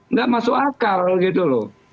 nggak masuk akal gitu loh